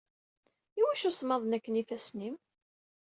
Iwacu smaḍen akken yifassen-im?